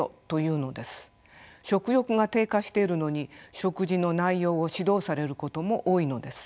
食欲が低下してるのに食事の内容を指導されることも多いのです。